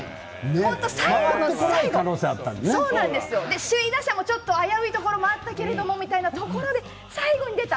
最後の最後首位打者もちょっと危ういところもあったけれどもみたいなところで最後に出た。